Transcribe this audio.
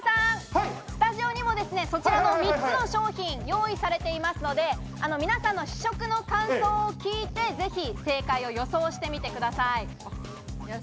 スタジオにも、そちらの３つの商品用意されていますので、皆さんの試食の感想を聞いて、ぜひ正解を予想してみてください。